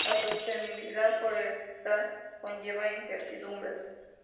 La sostenibilidad forestal conlleva incertidumbres.